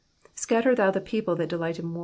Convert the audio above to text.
''''Scatter thou the people that delight in loor."